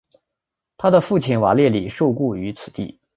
他的父亲瓦列里受雇于此地。